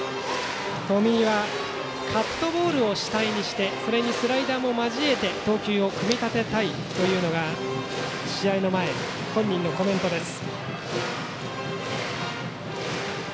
冨井はカットボールを主体にしてそれにスライダーも交えて投球を組み立てたいというのが試合の前、本人のコメントです。